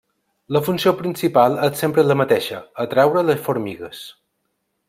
La funció principal és sempre la mateixa: atraure les formigues.